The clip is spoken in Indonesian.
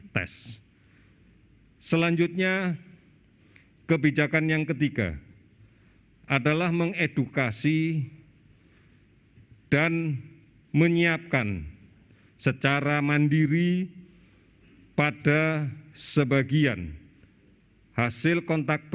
dan pemeriksaan penyaringan kasus penelusuran kontak